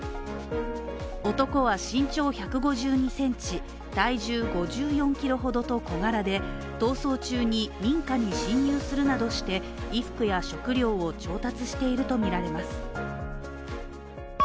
男は身長１５２ｃｍ、体重５４ｋｇほどと小柄で、逃走中に民家に侵入するなどして衣服や食料を調達しているとみられます。